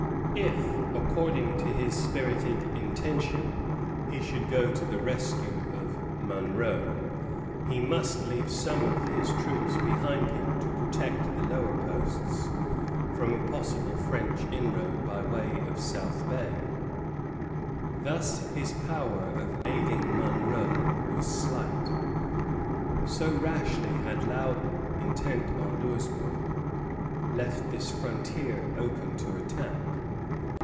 If, according to his spirited intention, he should go to the rescue of Monro, he must leave some of his troops behind him to protect the lower posts from a possible French inroad by way of South Bay. Thus his power of aiding Monro was slight, so rashly had Loudon, intent on Louisburg, left this frontier open to attack.